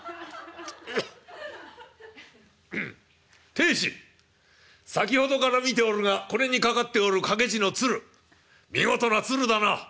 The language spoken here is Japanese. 「亭主先ほどから見ておるがこれに掛かっておる掛け字の鶴見事な鶴だな」。